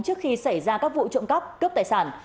trước khi xảy ra các vụ trộm cắp cướp tài sản